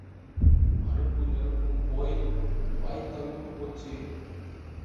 அடுப்பு நெருப்பும் போய் வாய்த் தவிடும் போச்சு.